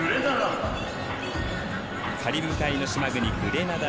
カリブ海の島国、グレナダ。